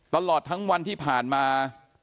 ตลอดทั้งวันที่ผ่านมา